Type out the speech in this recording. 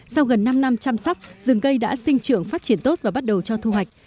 sau gần năm năm chăm sóc rừng cây đã sinh trưởng phát triển tốt và bắt đầu cho thu hoạch